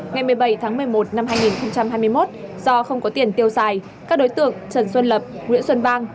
ngày một mươi bảy tháng một mươi một năm hai nghìn hai mươi một do không có tiền tiêu xài các đối tượng trần xuân lập nguyễn xuân bang